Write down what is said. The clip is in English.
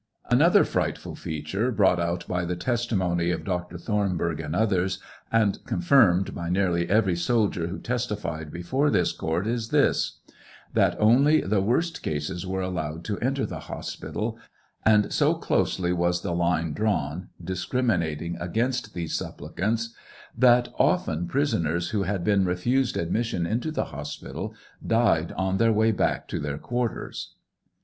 Another frightful feature brought out by the testimony of Dr. Thornburgh and others, and confirmed by nearly every soldier who testified before this court, is this : that only theworst cases were allowed to enter the hospital, and so closely was the line drawn, discriminating against these supplicants, that often prisoners who had been refused admission into the hospital died on their way back to their quarters.